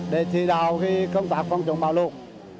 để chỉ đạo công tác phòng chống bão lục